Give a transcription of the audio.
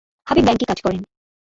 Habib bank কাজ করেন।